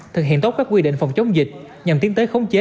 thực hiện tốt các quy định phòng chống dịch nhằm tiến tới khống chế